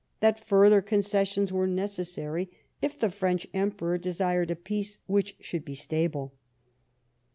that further concessions were necessary, if the French Emperor desired a peace wliich should be stable.